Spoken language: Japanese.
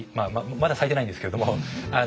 まだ咲いてないんですけれども。